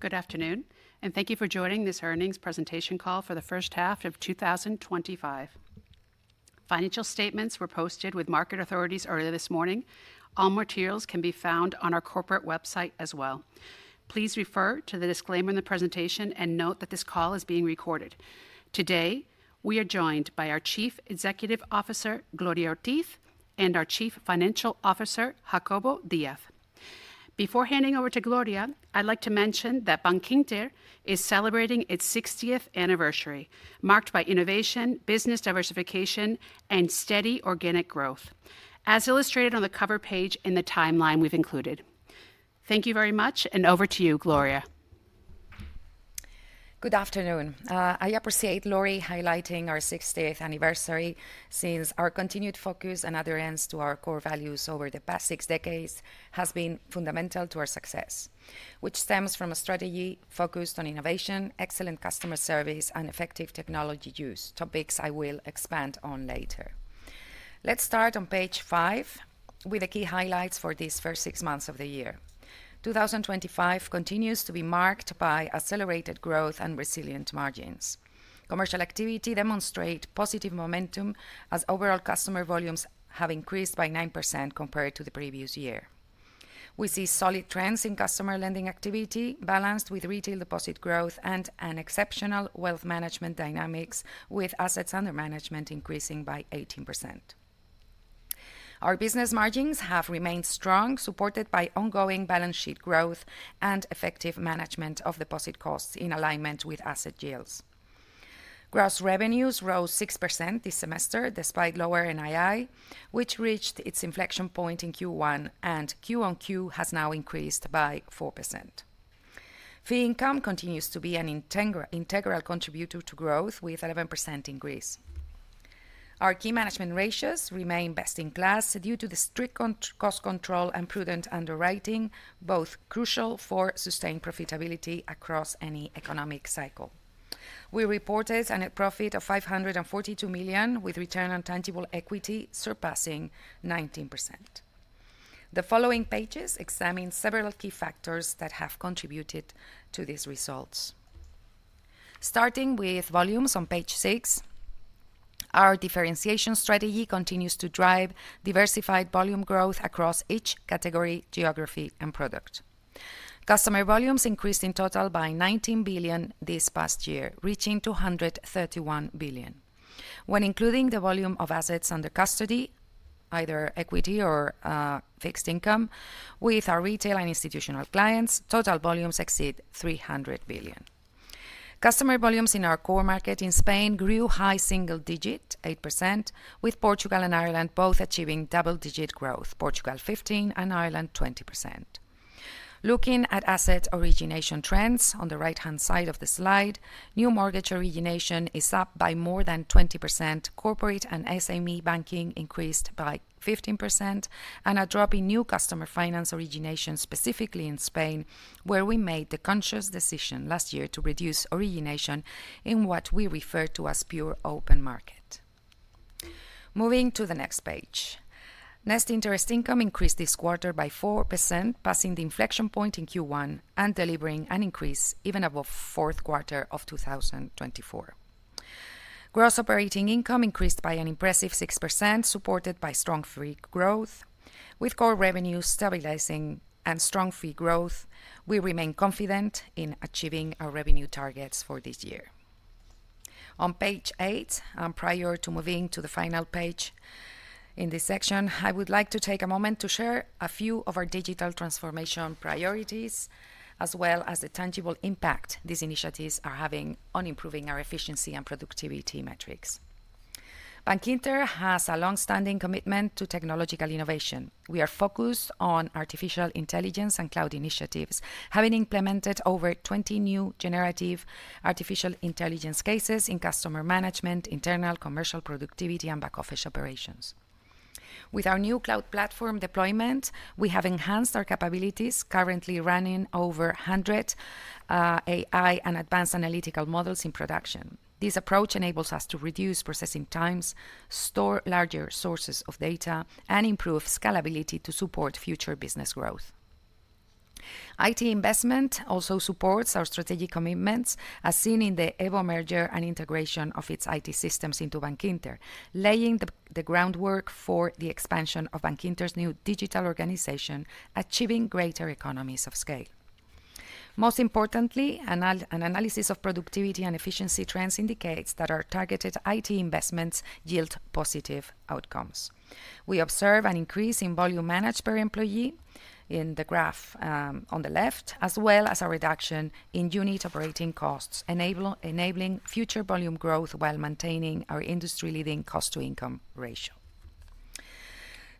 Good afternoon, and thank you for joining this Earnings Presentation Call for the First Half of 2025. Financial statements were posted with market authorities earlier this morning. All materials can be found on our corporate website as well. Please refer to the disclaimer in the presentation and note that this call is being recorded. Today, we are joined by our Chief Executive Officer, Gloria Ortiz, and our Chief Financial Officer, Jacobo Díaz. Before handing over to Gloria, I'd like to mention that Bankinter is celebrating its 60th anniversary, marked by innovation, business diversification, and steady organic growth, as illustrated on the cover page in the timeline we've included. Thank you very much, and over to you, Gloria. Good afternoon. I appreciate Laurie highlighting our 60th anniversary since our continued focus and adherence to our core values over the past six decades has been fundamental to our success, which stems from a strategy focused on innovation, excellent customer service, and effective technology use, topics I will expand on later. Let's start on page five with the key highlights for these first six months of the year. 2025 continues to be marked by accelerated growth and resilient margins. Commercial activity demonstrates positive momentum as overall customer volumes have increased by 9% compared to the previous year. We see solid trends in customer lending activity balanced with retail deposit growth and exceptional wealth management dynamics, with assets under management increasing by 18%. Our business margins have remained strong, supported by ongoing balance sheet growth and effective management of deposit costs in alignment with asset yields. Gross revenues rose 6% this semester despite lower NII, which reached its inflection point in Q1, and QoQ has now increased by 4%. Fee income continues to be an integral contributor to growth, with an 11% increase. Our key management ratios remain best in class due to the strict cost control and prudent underwriting, both crucial for sustained profitability across any economic cycle. We reported a net profit of 542 million, with return on tangible equity surpassing 19%. The following pages examine several key factors that have contributed to these results. Starting with volumes on page six. Our differentiation strategy continues to drive diversified volume growth across each category, geography, and product. Customer volumes increased in total by 19 billion this past year, reaching 231 billion. When including the volume of assets under custody, either equity or fixed income, with our retail and institutional clients, total volumes exceed 300 billion. Customer volumes in our core market in Spain grew high single digit, 8%, with Portugal and Ireland both achieving double-digit growth, Portugal 15% and Ireland 20%. Looking at asset origination trends on the right-hand side of the slide, new mortgage origination is up by more than 20%, corporate and SME banking increased by 15%, and a drop in new customer finance origination, specifically in Spain, where we made the conscious decision last year to reduce origination in what we refer to as pure open market. Moving to the next page. Net interest income increased this quarter by 4%, passing the inflection point in Q1 and delivering an increase even above fourth quarter of 2024. Gross operating income increased by an impressive 6%, supported by strong fee growth. With core revenues stabilizing and strong fee growth, we remain confident in achieving our revenue targets for this year. On page eight, prior to moving to the final page in this section, I would like to take a moment to share a few of our digital transformation priorities, as well as the tangible impact these initiatives are having on improving our efficiency and productivity metrics. Bankinter has a long-standing commitment to technological innovation. We are focused on artificial intelligence and cloud initiatives, having implemented over 20 new generative artificial intelligence cases in customer management, internal commercial productivity, and back-office operations. With our new cloud platform deployment, we have enhanced our capabilities, currently running over 100 AI and advanced analytical models in production. This approach enables us to reduce processing times, store larger sources of data, and improve scalability to support future business growth. IT investment also supports our strategic commitments, as seen in EVO Banco merger and integration of its IT systems into Bankinter, laying the groundwork for the expansion of Bankinter's new digital organization, achieving greater economies of scale. Most importantly, an analysis of productivity and efficiency trends indicates that our targeted IT investments yield positive outcomes. We observe an increase in volume managed per employee in the graph on the left, as well as a reduction in unit operating costs, enabling future volume growth while maintaining our industry-leading cost-to-income ratio.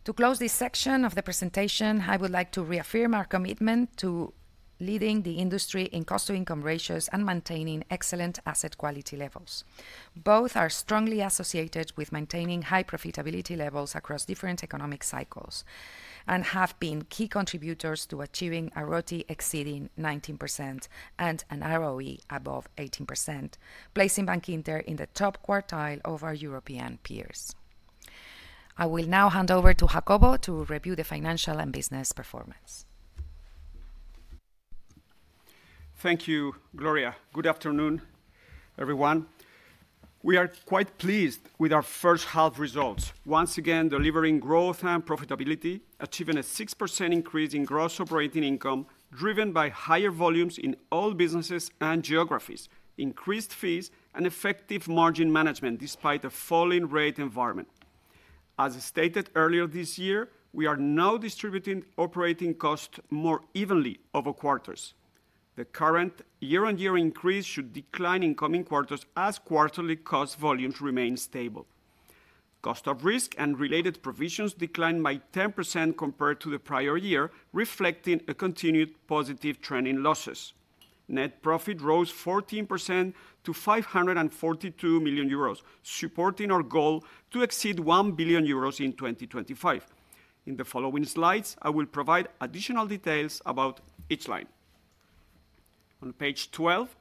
To close this section of the presentation, I would like to reaffirm our commitment to leading the industry in cost-to-income ratios and maintaining excellent asset quality levels. Both are strongly associated with maintaining high profitability levels across different economic cycles and have been key contributors to achieving a ROTE exceeding 19% and an ROE above 18%, placing Bankinter in the top quartile of our European peers. I will now hand over to Jacobo to review the financial and business performance. Thank you, Gloria. Good afternoon, everyone. We are quite pleased with our first half results, once again delivering growth and profitability, achieving a 6% increase in gross operating income driven by higher volumes in all businesses and geographies, increased fees, and effective margin management despite a falling rate environment. As stated earlier this year, we are now distributing operating costs more evenly over quarters. The current year-on-year increase should decline in coming quarters as quarterly cost volumes remain stable. Cost of risk and related provisions declined by 10% compared to the prior year, reflecting a continued positive trend in losses. Net profit rose 14% to 542 million euros, supporting our goal to exceed 1 billion euros in 2025. In the following slides, I will provide additional details about each line. On page 12.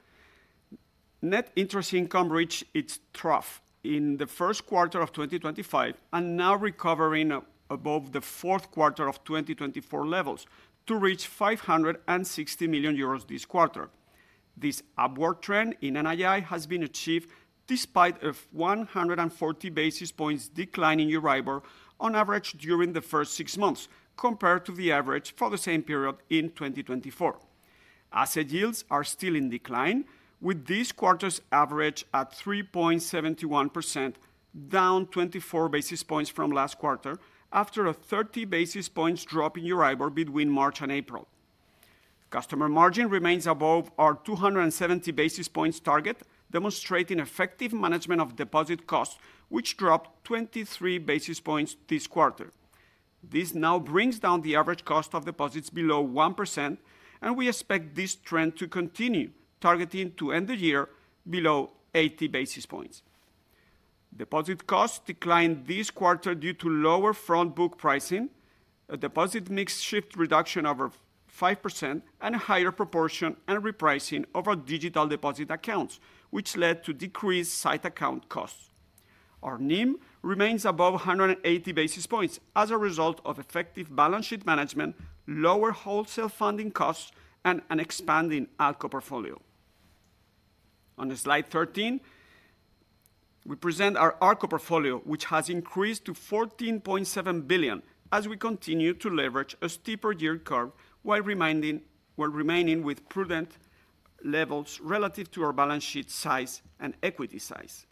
Net interest income reached its trough in the first quarter of 2025 and now recovering above the fourth quarter of 2024 levels to reach 560 million euros this quarter. This upward trend in NII has been achieved despite a 140 basis points declining Euriobor on average during the first six months compared to the average for the same period in 2024. Asset yields are still in decline, with this quarter's average at 3.71%. Down 24 basis points from last quarter after a 30 basis points drop in Euribor between March-April. Customer margin remains above our 270 basis points target, demonstrating effective management of deposit costs, which dropped 23 basis points this quarter. This now brings down the average cost of deposits below 1%, and we expect this trend to continue, targeting to end the year below 80 basis points. Deposit costs declined this quarter due to lower front-book pricing, a deposit mix shift reduction of 5%, and a higher proportion and repricing of our digital deposit accounts, which led to decreased site account costs. Our NIM remains above 180 basis points as a result of effective balance sheet management, lower wholesale funding costs, and an expanding ALCO portfolio. On slide 13. We present our ALCO portfolio, which has increased to 14.7 billion as we continue to leverage a steeper yield curve while remaining with prudent levels relative to our balance sheet size and equity size.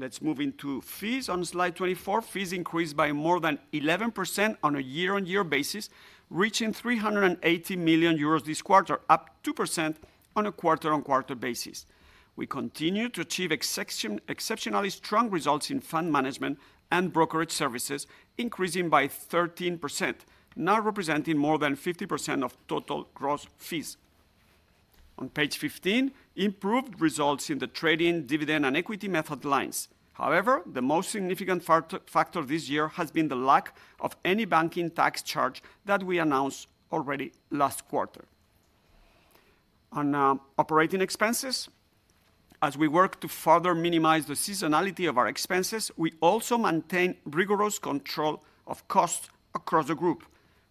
Let's move into fees. On slide 24, fees increased by more than 11% on a year-on-year basis, reaching 380 million euros this quarter, up 2% on a quarter-on-quarter basis. We continue to achieve exceptionally strong results in fund management and brokerage services, increasing by 13%, now representing more than 50% of total gross fees. On page 15, improved results in the trading, dividend, and equity method lines. However, the most significant factor this year has been the lack of any banking tax charge that we announced already last quarter. On operating expenses. As we work to further minimize the seasonality of our expenses, we also maintain rigorous control of costs across the group.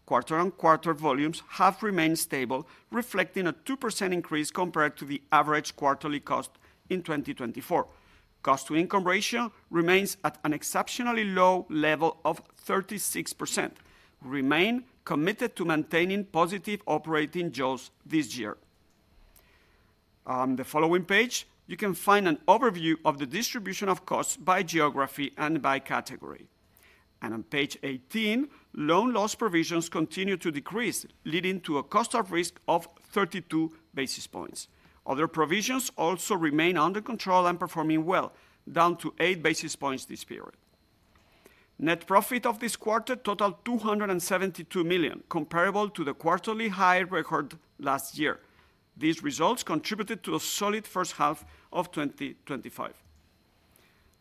Quarter-on-quarter volumes have remained stable, reflecting a 2% increase compared to the average quarterly cost in 2024. Cost-to-income ratio remains at an exceptionally low level of 36%. We remain committed to maintaining positive operating jobs this year. On the following page, you can find an overview of the distribution of costs by geography and by category. On page 18, loan loss provisions continue to decrease, leading to a cost of risk of 32 basis points. Other provisions also remain under control and performing well, down to 8 basis points this period. Net profit of this quarter totaled 272 million, comparable to the quarterly high record last year. These results contributed to a solid first half of 2025.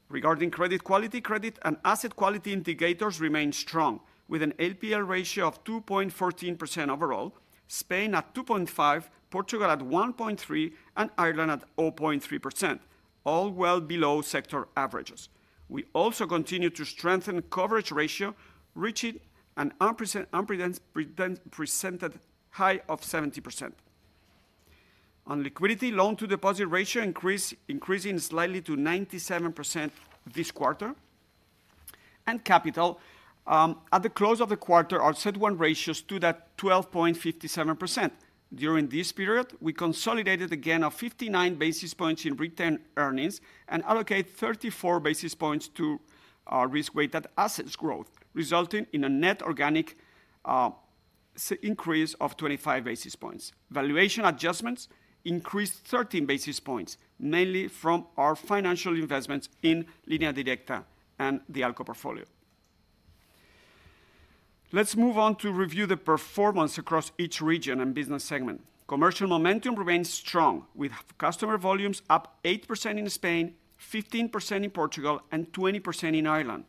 Regarding credit quality, credit and asset quality indicators remain strong, with an NPL ratio of 2.14% overall, Spain at 2.5%, Portugal at 1.3%, and Ireland at 0.3%, all well below sector averages. We also continue to strengthen coverage ratio, reaching an unprecedented high of 70%. On liquidity, loan-to-deposit ratio increasing slightly to 97% this quarter. On capital, at the close of the quarter, our CET1 ratio stood at 12.57%. During this period, we consolidated again of 59 basis points in return earnings and allocated 34 basis points to our risk-weighted assets growth, resulting in a net organic increase of 25 basis points. Valuation adjustments increased 13 basis points, mainly from our financial investments in Linea Directa and the ALCO portfolio. Let's move on to review the performance across each region and business segment. Commercial momentum remains strong, with customer volumes up 8% in Spain, 15% in Portugal, and 20% in Ireland.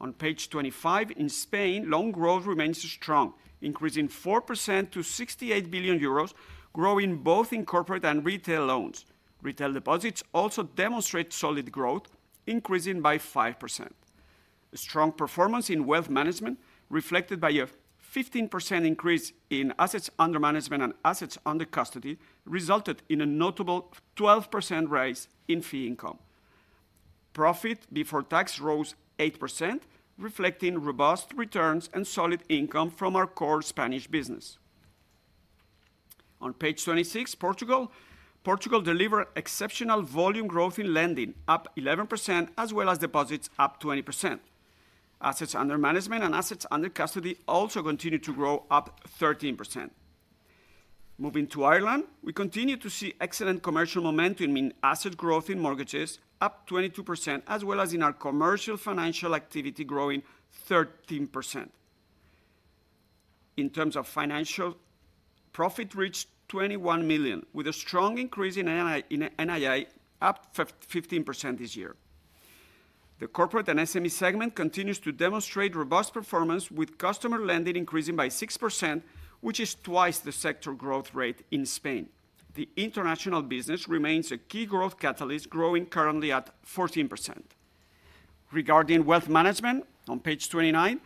On page 25, in Spain, loan growth remains strong, increasing 4% to 68 billion euros, growing both in corporate and retail loans. Retail deposits also demonstrate solid growth, increasing by 5%. Strong performance in wealth management, reflected by a 15% increase in assets under management and assets under custody, resulted in a notable 12% rise in fee income. Profit before tax rose 8%, reflecting robust returns and solid income from our core Spanish business. On page 26, Portugal delivered exceptional volume growth in lending, up 11%, as well as deposits up 20%. Assets under management and assets under custody also continue to grow, up 13%. Moving to Ireland, we continue to see excellent commercial momentum in asset growth in mortgages, up 22%, as well as in our commercial financial activity growing 13%. In terms of financials, profit reached 21 million, with a strong increase in NII, up 15% this year. The corporate and SME segment continues to demonstrate robust performance, with customer lending increasing by 6%, which is twice the sector growth rate in Spain. The international business remains a key growth catalyst, growing currently at 14%. Regarding wealth management, on page 29,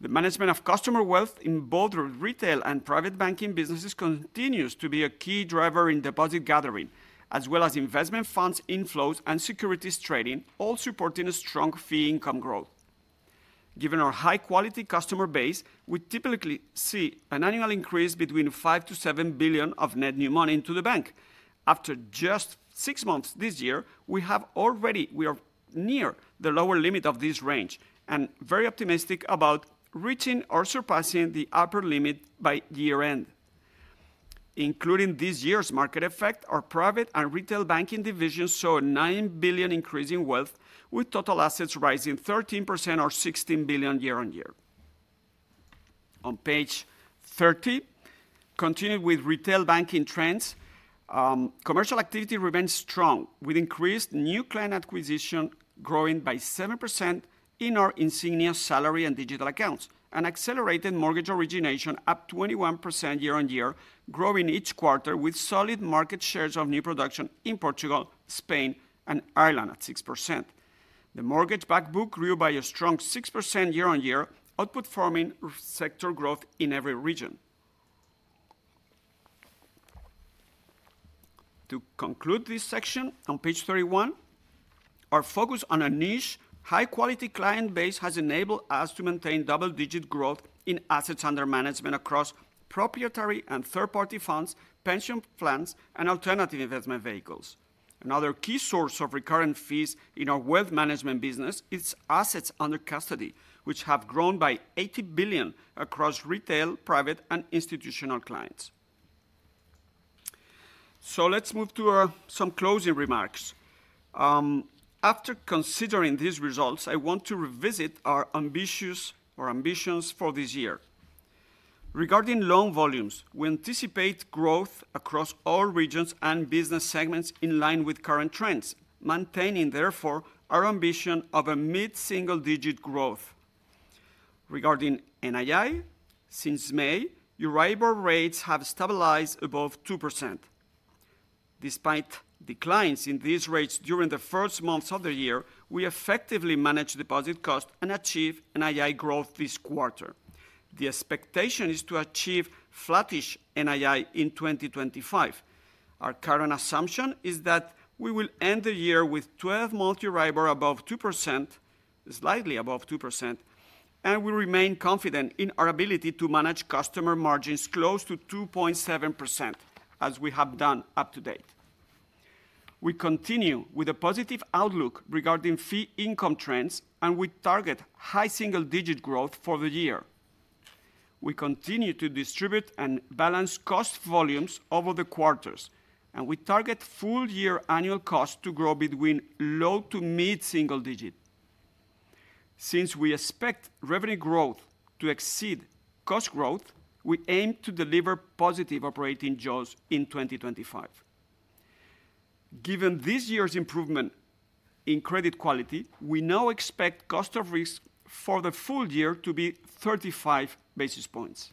the management of customer wealth in both retail and private banking businesses continues to be a key driver in deposit gathering, as well as investment funds inflows and securities trading, all supporting strong fee income growth. Given our high-quality customer base, we typically see an annual increase between 5 billion-7 billion of net new money into the bank. After just six months this year, we have already—we are near the lower limit of this range and very optimistic about reaching or surpassing the upper limit by year-end. Including this year's market effect, our private and retail banking divisions saw a 9 billion increase in wealth, with total assets rising 13% or 16 billion year-on-year. On page 30, continuing with retail banking trends, commercial activity remains strong, with increased new client acquisition growing by 7% in our insignias salary and digital accounts, and accelerated mortgage origination up 21% year-on-year, growing each quarter with solid market shares of new production in Portugal, Spain, and Ireland at 6%. The mortgage backbook grew by a strong 6% year-on-year, outperforming sector growth in every region. To conclude this section, on page 31. Our focus on a niche, high-quality client base has enabled us to maintain double-digit growth in assets under management across proprietary and third-party funds, pension plans, and alternative investment vehicles. Another key source of recurrent fees in our wealth management business is assets under custody, which have grown by 80 billion across retail, private, and institutional clients. Let's move to some closing remarks. After considering these results, I want to revisit our ambitions for this year. Regarding loan volumes, we anticipate growth across all regions and business segments in line with current trends, maintaining, therefore, our ambition of a mid-single-digit growth. Regarding NII, since May, Euribor rates have stabilized above 2%. Despite declines in these rates during the first months of the year, we effectively managed deposit costs and achieved NII growth this quarter. The expectation is to achieve flattish NII in 2025. Our current assumption is that we will end the year with 12-month Euribor above 2%. Slightly above 2%, and we remain confident in our ability to manage customer margins close to 2.7%, as we have done up to date. We continue with a positive outlook regarding fee income trends, and we target high single-digit growth for the year. We continue to distribute and balance cost volumes over the quarters, and we target full-year annual costs to grow between low to mid-single digit. Since we expect revenue growth to exceed cost growth, we aim to deliver positive operating jobs in 2025. Given this year's improvement in credit quality, we now expect cost of risk for the full year to be 35 basis points.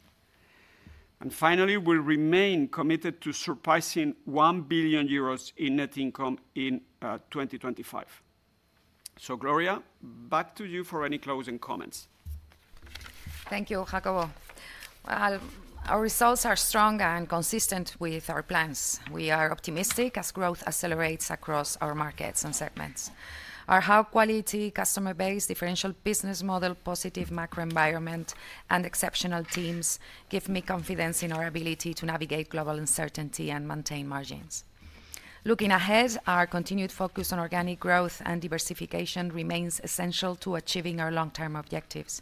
Finally, we remain committed to surpassing 1 billion euros in net income in 2025. Gloria, back to you for any closing comments. Thank you, Jacobo. Our results are stronger and consistent with our plans. We are optimistic as growth accelerates across our markets and segments. Our high-quality customer base, differential business model, positive macro environment, and exceptional teams give me confidence in our ability to navigate global uncertainty and maintain margins. Looking ahead, our continued focus on organic growth and diversification remains essential to achieving our long-term objectives.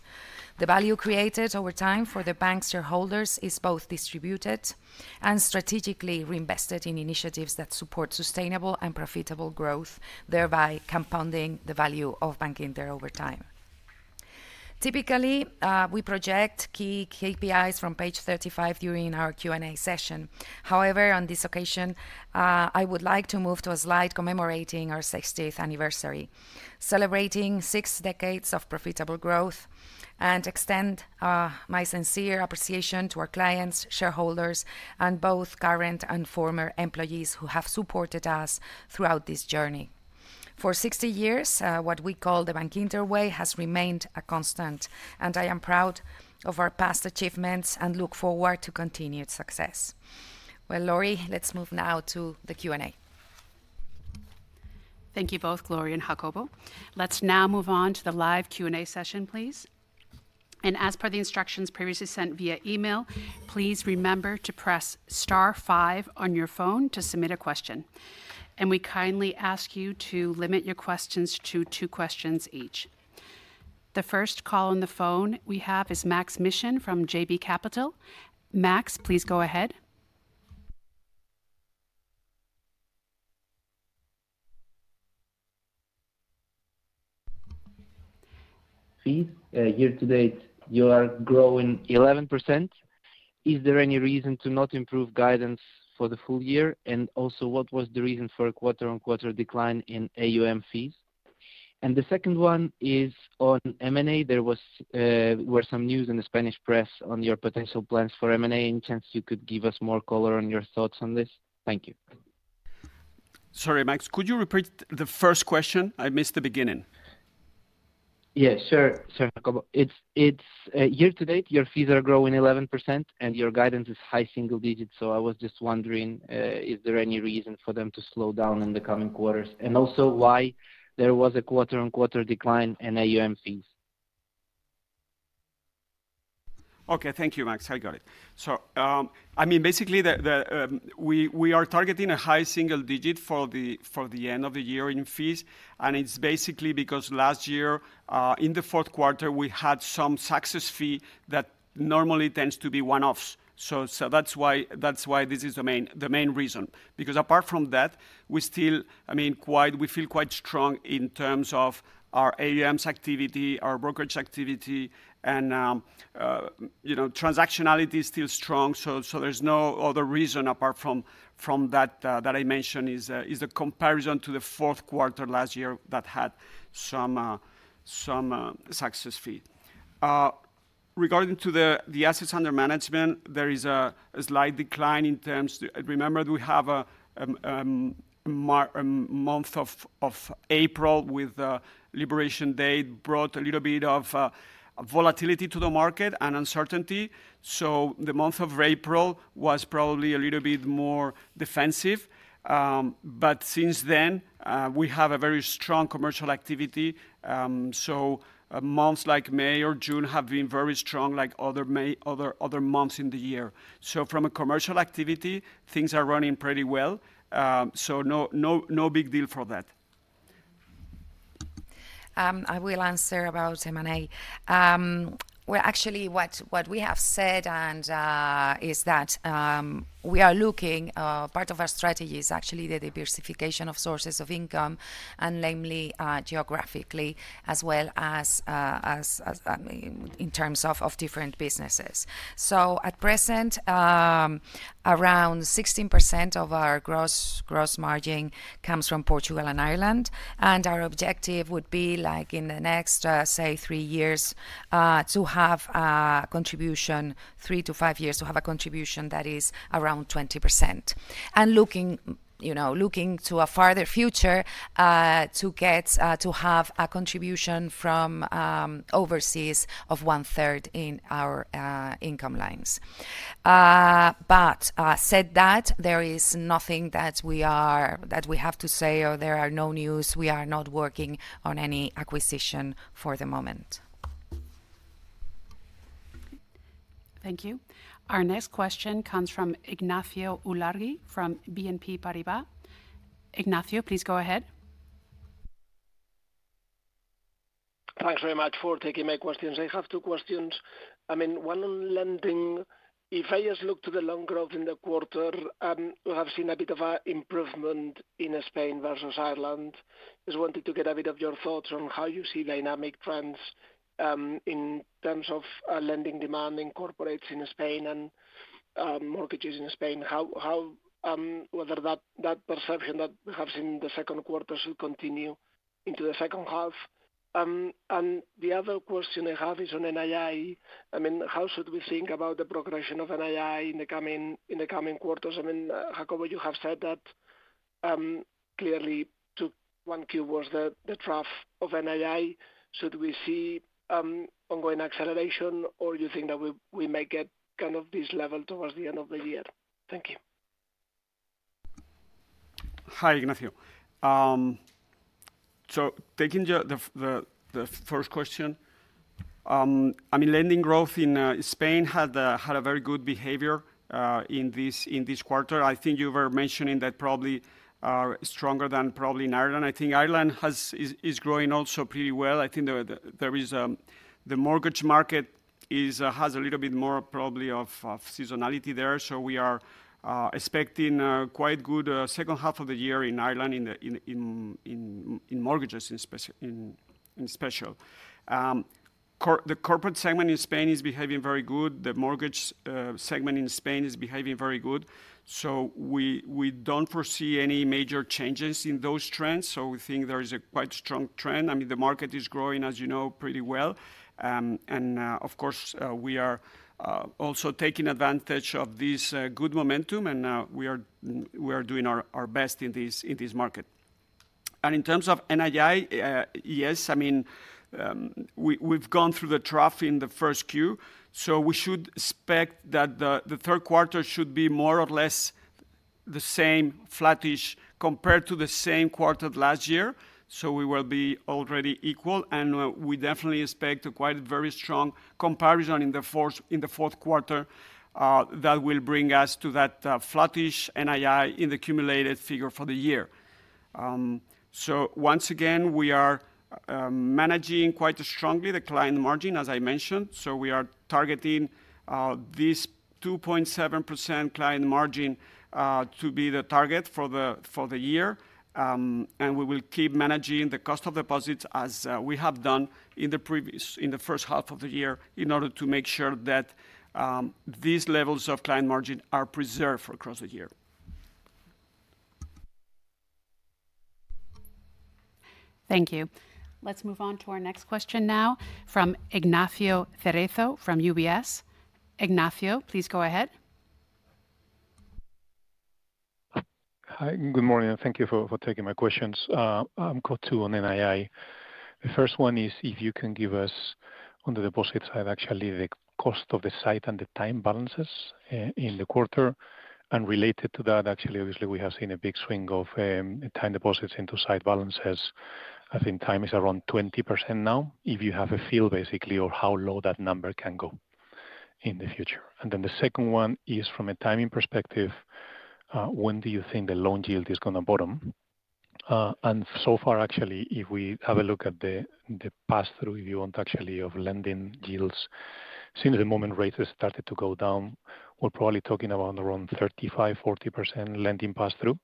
The value created over time for the bank's shareholders is both distributed and strategically reinvested in initiatives that support sustainable and profitable growth, thereby compounding the value of banking there over time. Typically, we project key KPIs from page 35 during our Q&A session. However, on this occasion, I would like to move to a slide commemorating our 60th anniversary, celebrating six decades of profitable growth, and extend my sincere appreciation to our clients, shareholders, and both current and former employees who have supported us throughout this journey. For 60 years, what we call the Bankinter way has remained a constant, and I am proud of our past achievements and look forward to continued success. Laurie, let's move now to the Q&A. Thank you both, Gloria and Jacobo. Let's now move on to the live Q&A session, please. As per the instructions previously sent via email, please remember to press star five on your phone to submit a question. We kindly ask you to limit your questions to two questions each. The first call on the phone we have is Maksym Mishyn from JB Capital. Maksym, please go ahead. Fee, year to date, you are growing 11%. Is there any reason to not improve guidance for the full year? Also, what was the reason for a quarter-on-quarter decline in AUM fees? The second one is on M&A. There was some news in the Spanish press on your potential plans for M&A. In the sense you could give us more color on your thoughts on this. Thank you. Sorry, Maksym, could you repeat the first question? I missed the beginning. Yeah, sure. Jacobo, it's year to date, your fees are growing 11%, and your guidance is high single digits. I was just wondering, is there any reason for them to slow down in the coming quarters? Also, why there was a quarter-on-quarter decline in AUM fees? Okay, thank you, Maksym. I got it. I mean, basically. We are targeting a high single digit for the end of the year in fees, and it's basically because last year, in the fourth quarter, we had some success fee that normally tends to be one-offs. That is the main reason. Apart from that, we still, I mean, we feel quite strong in terms of our AUMs activity, our brokerage activity, and transactionality is still strong. There is no other reason apart from that that I mentioned, which is the comparison to the fourth quarter last year that had some success fee. Regarding the assets under management, there is a slight decline in terms of, remember, we have a month of April with a liberation date brought a little bit of volatility to the market and uncertainty. The month of April was probably a little bit more defensive. Since then, we have a very strong commercial activity. Months like May-June have been very strong, like other months in the year. From a commercial activity, things are running pretty well. No big deal for that. I will answer about M&A. Actually, what we have said is that we are looking, part of our strategy is actually the diversification of sources of income and namely geographically, as well as in terms of different businesses. At present, around 16% of our gross margin comes from Portugal and Ireland. Our objective would be, like in the next, say, three years, to have a contribution, three-five years, to have a contribution that is around 20%. Looking to a farther future, to have a contribution from overseas of 1/3 in our income lines. That said, there is nothing that we have to say, or there are no news. We are not working on any acquisition for the moment. Thank you. Our next question comes from Ignacio Ulargui from BNP Paribas. Ignacio, please go ahead. Thanks very much for taking my questions. I have two questions. I mean, one on lending. If I just look to the loan growth in the quarter, we have seen a bit of an improvement in Spain versus Ireland. I just wanted to get a bit of your thoughts on how you see dynamic trends in terms of lending demand in corporates in Spain and mortgages in Spain. Whether that perception that we have seen in the second quarter should continue into the second half. The other question I have is on NII. I mean, how should we think about the progression of NII in the coming quarters? I mean, Jacobo, you have said that, clearly, to one key word, the trough of NII. Should we see ongoing acceleration, or do you think that we may get kind of this level towards the end of the year? Thank you. Hi, Ignacio. Taking the first question, I mean, lending growth in Spain had a very good behavior in this quarter. I think you were mentioning that probably stronger than probably in Ireland. I think Ireland is growing also pretty well. I think the mortgage market has a little bit more probably of seasonality there. We are expecting quite good second half of the year in Ireland. In mortgages in special, the corporate segment in Spain is behaving very good. The mortgage segment in Spain is behaving very good. We do not foresee any major changes in those trends. We think there is a quite strong trend. I mean, the market is growing, as you know, pretty well. Of course, we are also taking advantage of this good momentum, and we are doing our best in this market. In terms of NII, yes, I mean, we have gone through the trough in the first Q. We should expect that the third quarter should be more or less the same, flattish, compared to the same quarter last year. We will be already equal. We definitely expect a quite very strong comparison in the fourth quarter that will bring us to that flattish NII in the cumulated figure for the year. Once again, we are managing quite strongly the client margin, as I mentioned. We are targeting this 2.7% client margin to be the target for the year. We will keep managing the cost of deposits as we have done in the first half of the year in order to make sure that these levels of client margin are preserved across the year. Thank you. Let's move on to our next question now from Ignacio Ferreto from UBS. Ignacio, please go ahead. Hi, good morning. Thank you for taking my questions. I'm got two on NII. The first one is if you can give us, on the deposit side, actually the cost of the site and the time balances in the quarter. Related to that, actually, obviously, we have seen a big swing of time deposits into site balances. I think time is around 20% now. If you have a feel, basically, of how low that number can go in the future The second one is from a timing perspective. When do you think the loan yield is going to bottom? So far, actually, if we have a look at the pass-through, if you want actually of lending yields, since the moment rates have started to go down, we're probably talking about around 35-40% lending pass-through.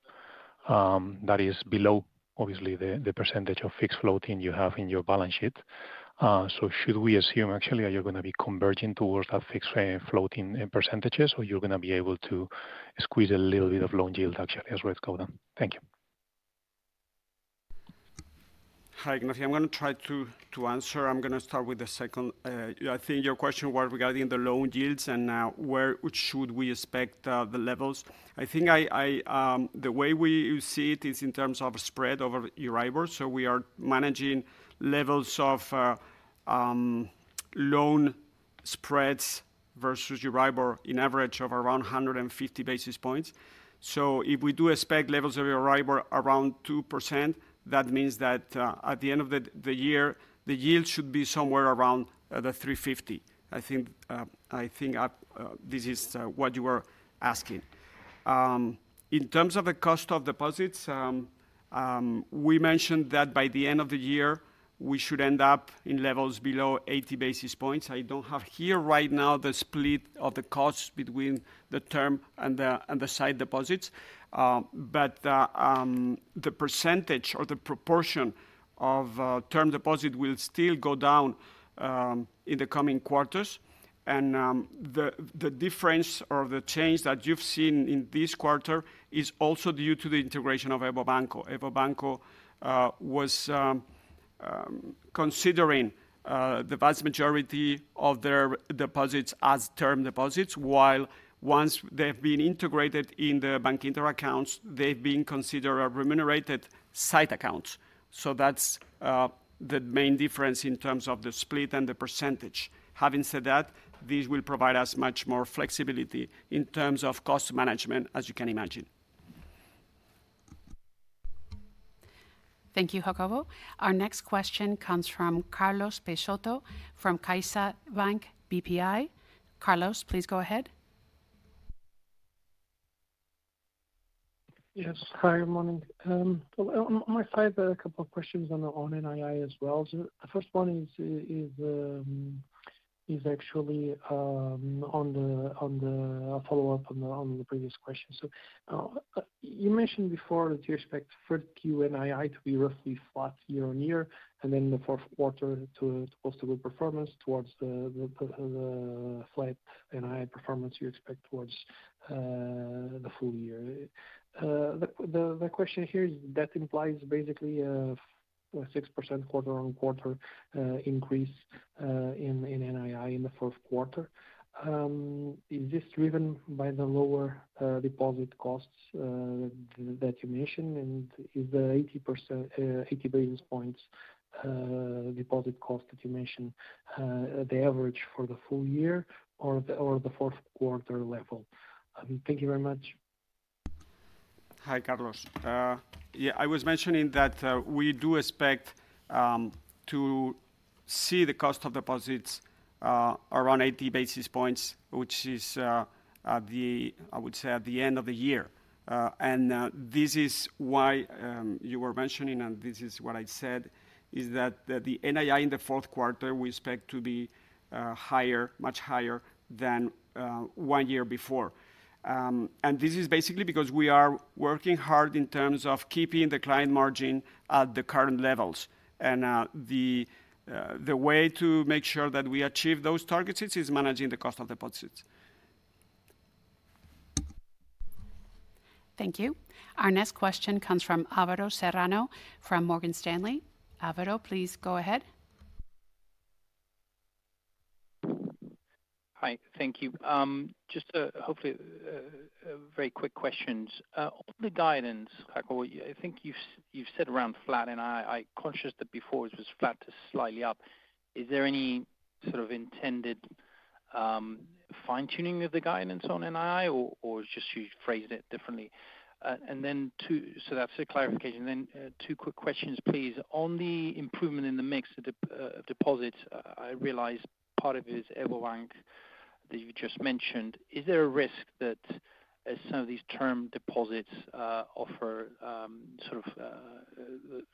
That is below, obviously, the percentage of fixed floating you have in your balance sheet. Should we assume, actually, that you're going to be converging towards that fixed floating percentages, or you're going to be able to squeeze a little bit of loan yield, actually, as we've got them? Thank you. Hi, Ignacio. I'm going to try to answer. I'm going to start with the second. I think your question was regarding the loan yields and where should we expect the levels. I think the way we see it is in terms of spread over Euribors. We are managing levels of loan spreads versus Euribor in average of around 150 basis points. If we do expect levels of Euribor around 2%, that means that at the end of the year, the yield should be somewhere around the 350. I think this is what you were asking. In terms of the cost of deposits, we mentioned that by the end of the year, we should end up in levels below 80 basis points. I do not have here right now the split of the costs between the term and the site deposits. The percentage or the proportion of term deposit will still go down in the coming quarters. The difference or the change that you've seen in this quarter is also due to the EVO Banco was considering the vast majority of their deposits as term deposits, while once they've been integrated in the Bankinter accounts, they've been considered remunerated sight accounts. So that's the main difference in terms of the split and the percentage. Having said that, this will provide us much more flexibility in terms of cost management, as you can imagine. Thank you, Jacobo. Our next question comes from Carlos Peixoto from CaixaBank BPI. Carlos, please go ahead. Yes, hi, good morning. On my side, a couple of questions on the NII as well. The first one is actually on the follow-up on the previous question. You mentioned before that you expect third Q and NII to be roughly flat year on year, and then the fourth quarter to post good performance towards the flat NII performance you expect towards the full year. The question here is that implies basically a 6% quarter-on-quarter increase in NII in the fourth quarter. Is this driven by the lower deposit costs that you mentioned? And is the 80 basis points deposit cost that you mentioned the average for the full year or the fourth quarter level? Thank you very much. Hi, Carlos. Yeah, I was mentioning that we do expect to see the cost of deposits around 80 basis points, which is, I would say, at the end of the year. And this is why you were mentioning, and this is what I said, is that the NII in the fourth quarter we expect to be higher, much higher than one year before. And this is basically because we are working hard in terms of keeping the client margin at the current levels. The way to make sure that we achieve those targets is managing the cost of deposits. Thank you. Our next question comes from Álvaro Serrano from Morgan Stanley. Álvaro, please go ahead. Hi, thank you. Just hopefully very quick questions. On the guidance, I think you've said around flat NII conscious that before it was flat to slightly up. Is there any sort of intended fine-tuning of the guidance on NII, or just you phrased it differently? That is a clarification. Then two quick questions, please. On the improvement in the mix of deposits, I realize part of it is EVO Banco that you just mentioned. Is there a risk that some of these term deposits offer sort of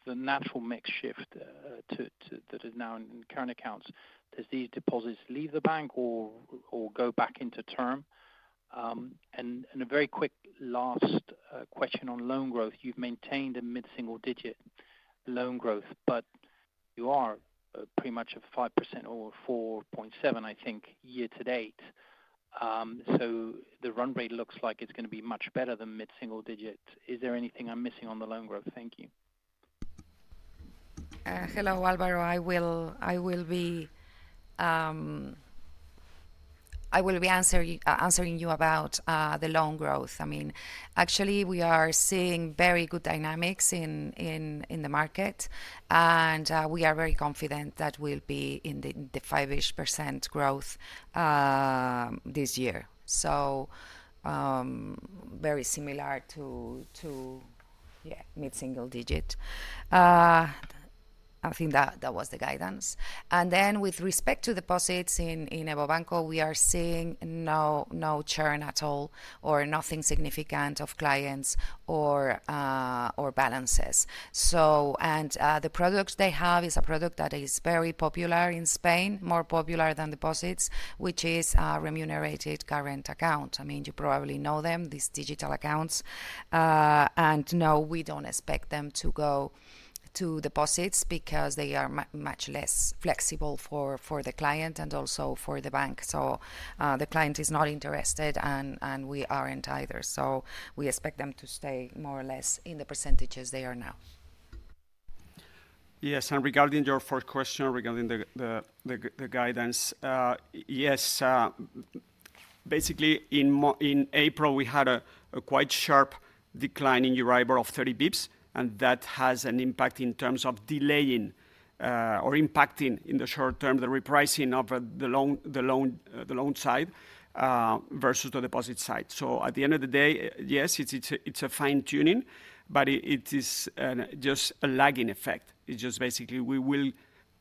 the natural mix shift that is now in current accounts? Do these deposits leave the bank or go back into term? A very quick last question on loan growth. You've maintained a mid-single digit loan growth, but you are pretty much at 5%-4.7, I think, year to date. The run rate looks like it's going to be much better than mid-single digit. Is there anything I'm missing on the loan growth? Thank you. Hello, Álvaro. I will be answering you about the loan growth. I mean, actually, we are seeing very good dynamics in the market. And we are very confident that we'll be in the 5-ish % growth this year. Very similar to mid-single digit. I think that was the guidance. With respect to deposits in EVO Banco, we are seeing no churn at all or nothing significant of clients or balances. The product they have is a product that is very popular in Spain, more popular than deposits, which is a remunerated current account. I mean, you probably know them, these digital accounts. No, we do not expect them to go to deposits because they are much less flexible for the client and also for the bank. The client is not interested, and we are not either. We expect them to stay more or less in the percentages they are now. Yes. Regarding your first question regarding the guidance, yes, basically, in April, we had a quite sharp decline in Euribor of 30 bps, and that has an impact in terms of delaying or impacting in the short term the repricing of the loan side versus the deposit side. At the end of the day, yes, it is a fine-tuning, but it is just a lagging effect. It is just basically we will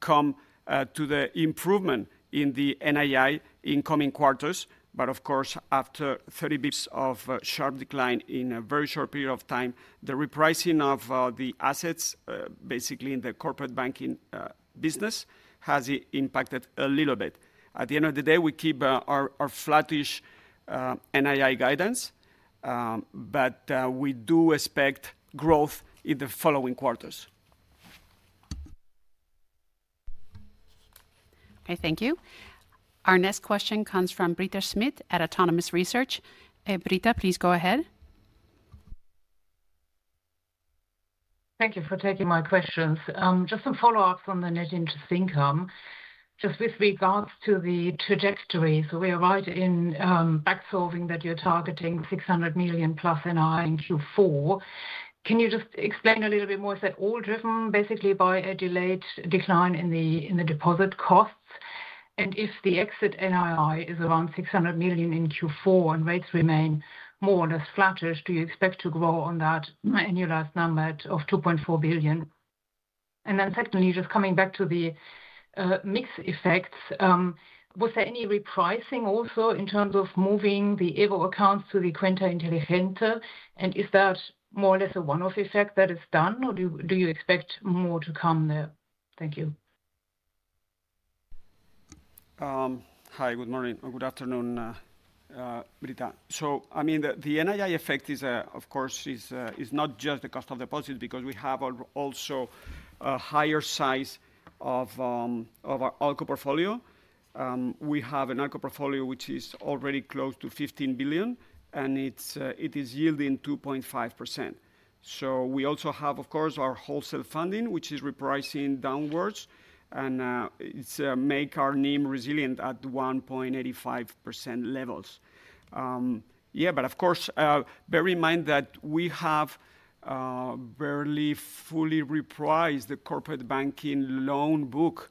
come to the improvement in the NII in coming quarters. Of course, after 30 bps of sharp decline in a very short period of time, the repricing of the assets, basically in the corporate banking business, has impacted a little bit. At the end of the day, we keep our flattish NII guidance. We do expect growth in the following quarters. Okay, thank you. Our next question comes from Britta Schmidt at Autonomous Research. Britta, please go ahead. Thank you for taking my questions. Just some follow-ups on the net interest income. Just with regards to the trajectory, we arrived in back-solving that you are targeting 600 million+ NII in Q4. Can you just explain a little bit more? Is that all driven basically by a delayed decline in the deposit costs? If the exit NII is around 600 million in Q4 and rates remain more or less flattish, do you expect to grow on that annualized number of 2.4 billion? Secondly, just coming back to the mixed effects, was there any repricing also in terms of moving the EVO accounts to the Quanta and Telejenta? Is that more or less a one-off effect that is done, or do you expect more to come there? Thank you. Hi, good morning. Good afternoon, Britta. I mean, the NII effect is, of course, it is not just the cost of deposit because we have also a higher size of our ALCO portfolio. We have an ALCO portfolio which is already close to 15 billion, and it is yielding 2.5%. So we also have, of course, our wholesale funding, which is repricing downwards, and it's made our NIM resilient at 1.85% levels. Yeah, but of course, bear in mind that we have barely fully repriced the corporate banking loan book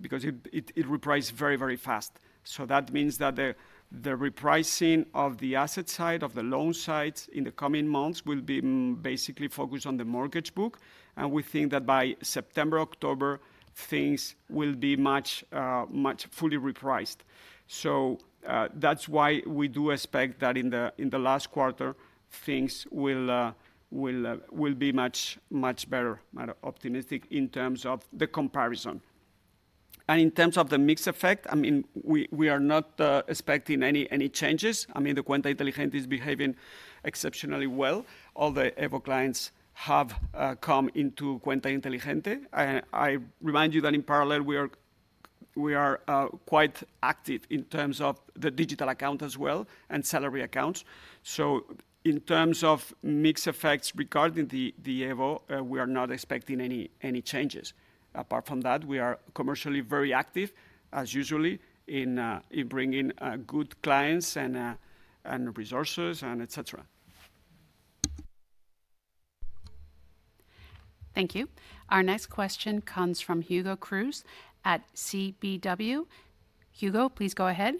because it reprices very, very fast. That means that the repricing of the asset side, of the loan side, in the coming months will be basically focused on the mortgage book. We think that by September-October, things will be much fully repriced. That's why we do expect that in the last quarter, things will be much, much better, optimistic in terms of the comparison. In terms of the mixed effect, I mean, we are not expecting any changes. I mean, the Quanta and Telejenta is behaving exceptionally well. All the EVO clients have come into Quanta and Telejenta. I remind you that in parallel, we are quite active in terms of the digital account as well and salary accounts. In terms of mixed effects regarding the EVO, we are not expecting any changes. Apart from that, we are commercially very active, as usually, in bringing good clients and resources and etc. Thank you. Our next question comes from Hugo Cruz at KBW. Hugo, please go ahead.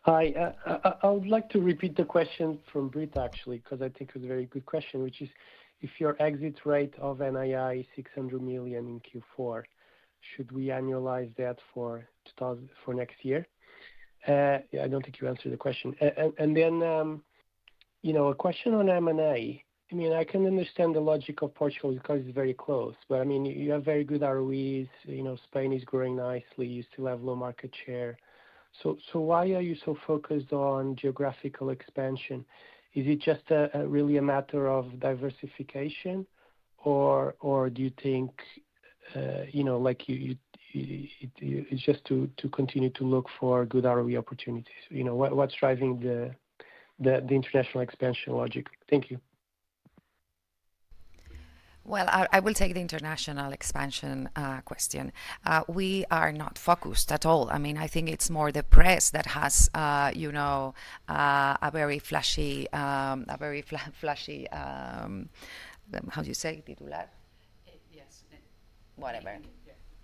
Hi. I would like to repeat the question from Britta, actually, because I think it was a very good question, which is, if your exit rate of NII is 600 million in Q4, should we annualize that for next year? I don't think you answered the question. Then a question on M&A. I mean, I can understand the logic of Portugal because it's very close. I mean, you have very good ROEs. Spain is growing nicely. You still have low market share. Why are you so focused on geographical expansion? Is it just really a matter of diversification, or do you think it's just to continue to look for good ROE opportunities? What's driving the international expansion logic? Thank you. I will take the international expansion question. We are not focused at all. I mean, I think it's more the press that has a very flashy, how do you say it? Yes. Whatever.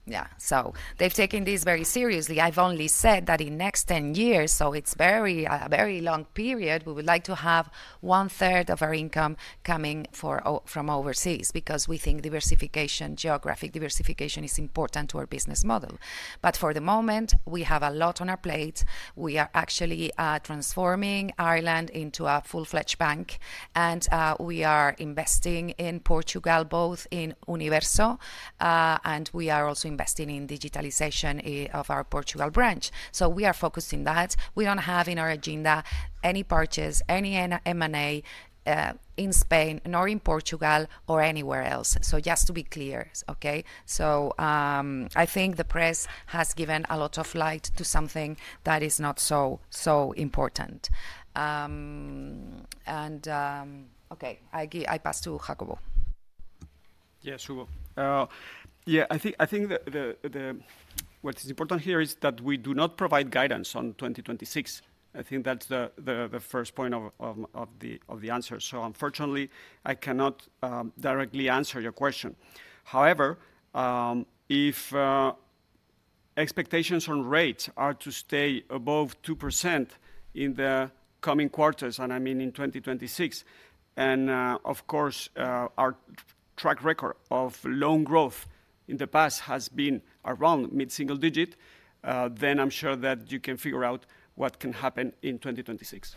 Yeah. Yeah. They've taken this very seriously. I've only said that in the next 10 years, so it's a very long period. We would like to have 1/3 of our income coming from overseas because we think diversification, geographic diversification, is important to our business model. For the moment, we have a lot on our plate. We are actually transforming Ireland into a full-fledged bank, and we are investing in Portugal, both in Universo. We are also investing in digitalization of our Portugal branch. We are focused in that. We don't have in our agenda any purchase, any M&A in Spain, nor in Portugal, or anywhere else. Just to be clear, okay? So. I think the press has given a lot of light to something that is not so, so important. Okay, I pass to Jacobo. Yes, Hugo. I think what is important here is that we do not provide guidance on 2026. I think that is the first point of the answer. Unfortunately, I cannot directly answer your question. However, if expectations on rates are to stay above 2% in the coming quarters, and I mean in 2026, and of course our track record of loan growth in the past has been around mid-single digit, then I am sure that you can figure out what can happen in 2026.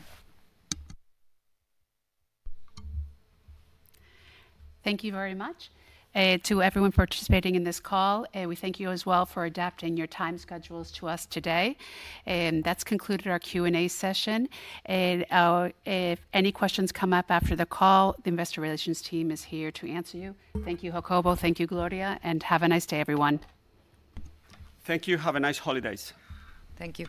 Thank you very much to everyone participating in this call. We thank you as well for adapting your time schedules to us today. That concludes our Q&A session. If any questions come up after the call, the investor relations team is here to answer you. Thank you, Jacobo. Thank you, Gloria. Have a nice day, everyone. Thank you. Have a nice holidays. Thank you.